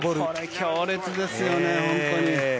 強烈ですよね、本当に。